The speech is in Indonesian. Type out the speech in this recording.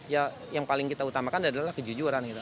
ya yang paling kita utamakan adalah kejujuran gitu